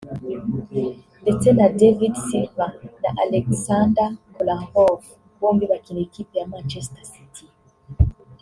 ndetse na David Silva na Aleksandar Kolarov bombi bakinira ikipe ya Manchester city